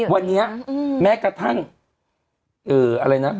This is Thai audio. วันนี้แม้กระทั่งอะไรนะ